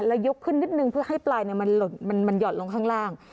แล้วยกขึ้นนิดนึงเพื่อให้ปลายมันหยอดลงข้างล่าง